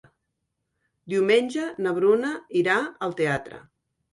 Diumenge na Bruna irà al teatre.